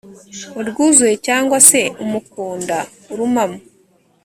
urwuzuye cyangwa se umukunda urumamo